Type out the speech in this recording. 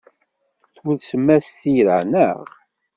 Tulsem-as tira, naɣ?